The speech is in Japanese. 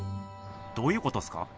どういうことっすか？